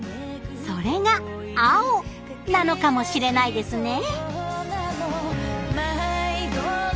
それが青なのかもしれないですね